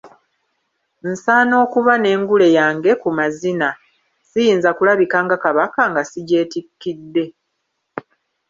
Nsaana okuba n'engule yange ku mazina, siyinza kulabika nga Kabaka nga sigyetikkidde.